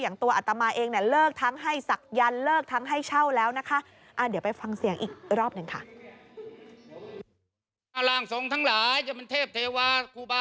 ตัวอัตมาเองเนี่ยเลิกทั้งให้ศักยันต์เลิกทั้งให้เช่าแล้วนะคะ